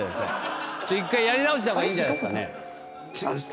１回やり直した方がいいんじゃないっすかね。